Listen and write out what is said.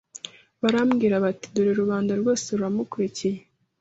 barabwirana bati: " dore rubanda rwose ruramukurikiye!"